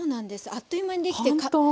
あっという間にできて簡単。